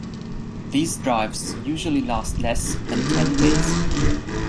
These drives usually last less than ten days.